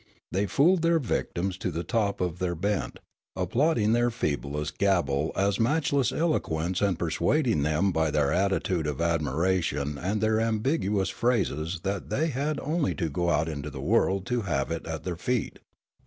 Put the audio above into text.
They fooled their victims to the top of their bent, applauding their feeblest gabble as matchless eloquence and persuading them by their attitude of admiration and their ambiguous phrases that 251 252 Riallaro they had only to go out into the world to have it at their feet.